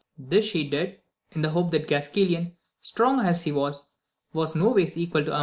This she did, in the hope that Gasquilan, strong as he was, was no ways equal to Amadis.